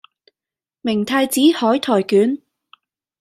明太子海苔捲